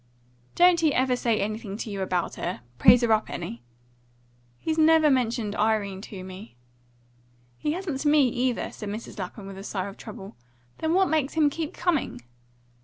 "Don't he ever say anything to you about her praise her up, any?" "He's never mentioned Irene to me." "He hasn't to me, either," said Mrs. Lapham, with a sigh of trouble. "Then what makes him keep coming?"